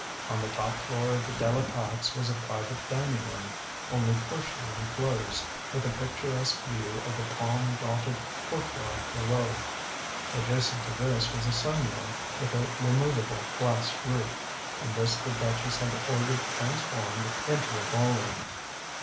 On the top floor of the De la Pax was a private dining room, only partially enclosed, with a picturesque view of the palm dotted courtyard below. Adjacent to this was a sun room with a removable glass roof, and this the duchess had ordered transformed into a ballroom.